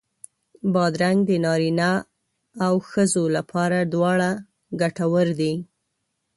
بادرنګ د نارینو او ښځو لپاره دواړو ګټور دی.